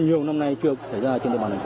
nhiều năm nay chưa xảy ra trên địa bàn thành phố